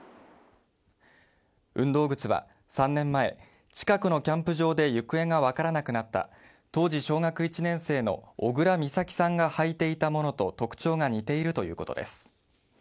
運動靴は３年前、近くのキャンプ場で行方が分からなくなった当時小学１年生の小倉美咲さんが履いていたものと特徴が似ているということです。